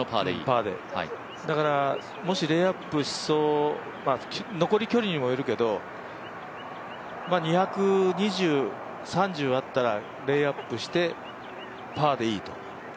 だからもしレイアップ残り距離にもよるけど２２０２３０あったら、レイアップしてパーでいいと。